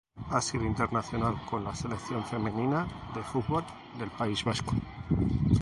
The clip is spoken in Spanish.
Ha sido internacional con la Selección femenina de fútbol del País Vasco.